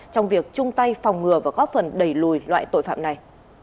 trong việc chung tay phòng ngừa và góp phần đẩy lùi loại tội phạm này